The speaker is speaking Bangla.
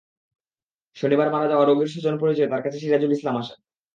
শনিবার মারা যাওয়া রোগীর স্বজন পরিচয়ে তাঁর কাছে সিরাজুল ইসলাম আসেন।